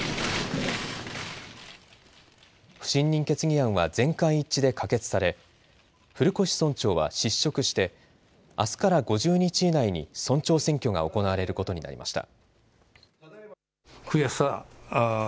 不信任決議案は全会一致で可決され古越村長は失職してあすから５０日以内に村長選挙が行われることになりました。